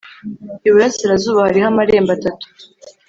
Iburasirazuba hariho amarembo atatu,